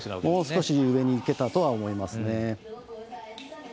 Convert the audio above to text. もう少し上にいけたとは思います。